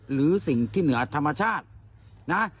หรือสิ่งที่เหนือธรรมชาตินะ